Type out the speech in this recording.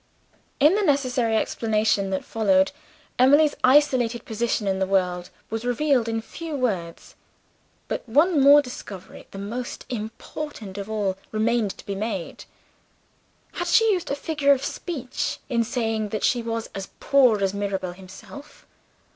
In the necessary explanation that followed, Emily's isolated position in the world was revealed in few words. But one more discovery the most important of all remained to be made. Had she used a figure of speech in saying that she was as poor as Mirabel himself?